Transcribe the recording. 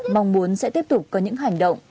mong muốn sẽ tiếp tục có những hành động